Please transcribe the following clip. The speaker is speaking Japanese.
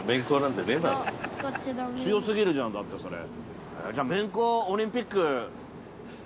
強すぎるじゃん、だって、それ。